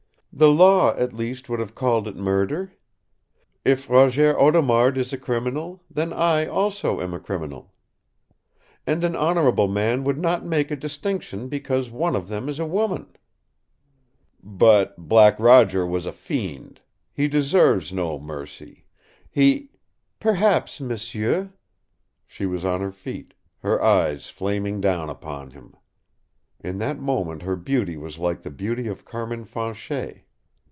The Law, at least, would have called it murder. If Roger Audemard is a criminal, then I also am a criminal. And an honorable man would not make a distinction because one of them is a woman!" "But Black Roger was a fiend. He deserves no mercy. He " "Perhaps, m'sieu!" She was on her feet, her eyes flaming down upon him. In that moment her beauty was like the beauty of Carmin Fanchet.